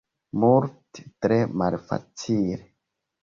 Multe tre malfacile.